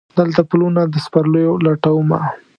دلته پلونه د سپرلیو لټومه